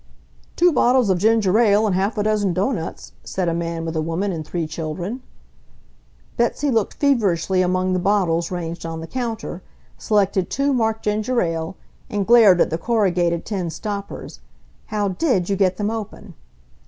"Two bottles of ginger ale and half a dozen doughnuts," said a man with a woman and three children. Betsy looked feverishly among the bottles ranged on the counter, selected two marked ginger ale, and glared at their corrugated tin stoppers. How DID you get them open?